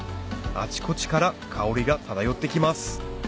あちこちから香りが漂ってきます